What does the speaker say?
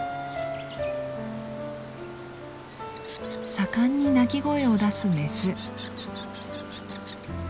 盛んに鳴き声を出すメス。